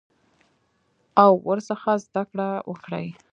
او ورڅخه زده کړه وکړي.